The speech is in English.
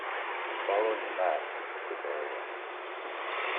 Following the mass is the burial.